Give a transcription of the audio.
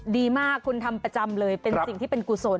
ดีมากคุณทำประจำเลยเป็นสิ่งที่เป็นกุศล